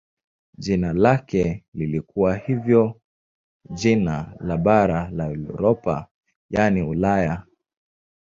Jina lake lilikuwa hivyo jina la bara la Europa yaani Ulaya.